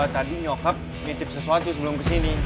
tadi nyokap nitip sesuatu sebelum kesini